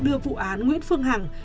đưa vụ án nguyễn phương hằng